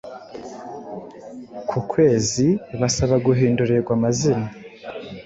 ku kwezi' basaba guhindurirwa amazina